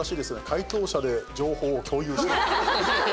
解答者で情報を共有して。